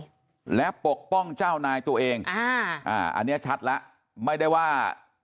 คุ้มกันนายและปกป้องเจ้านายตัวเองอันนี้ชัดแล้วไม่ได้ว่า